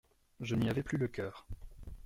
Je n'y avais plus le coeur.